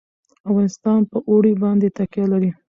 افغانستان په اوړي باندې تکیه لري.